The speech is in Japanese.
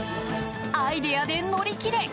アイデアで乗り切れ！